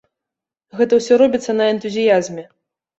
Гэта ўсё робіцца на энтузіязме!